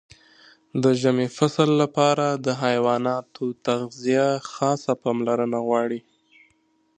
د ژمي فصل لپاره د حیواناتو تغذیه خاصه پاملرنه غواړي.